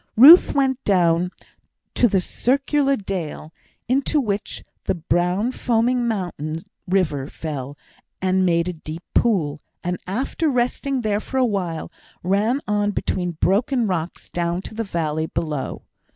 Ruth went down to the circular dale, into which the brown foaming mountain river fell and made a deep pool, and, after resting there for a while, ran on between broken rocks down to the valley below.